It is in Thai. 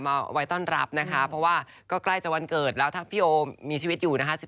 เอาไว้ต้อนรับนะคะเพราะว่าก็ใกล้จะวันเกิดแล้วถ้าพี่โอมีชีวิตอยู่นะคะ